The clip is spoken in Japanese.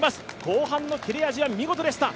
後半の切れ味は見事でした。